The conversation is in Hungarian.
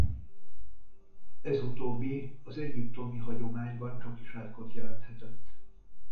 Ez utóbbi az egyiptomi hagyományban csakis átkot jelenthetett.